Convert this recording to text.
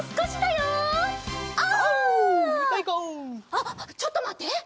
あっちょっとまって！